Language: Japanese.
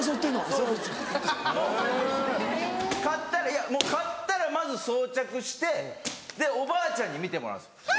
いやもう買ったらまず装着してでおばあちゃんに見てもらうんですよ。